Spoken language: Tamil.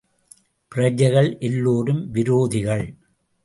பிரஜைகள் எல்லோரும் விரோதிகள்.